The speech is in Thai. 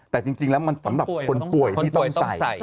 แต่จริงแล้วมันสำหรับคนป่วยที่ต้องใส่